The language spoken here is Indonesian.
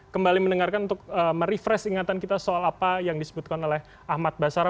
kembali mendengarkan untuk merefresh ingatan kita soal apa yang disebutkan oleh ahmad basara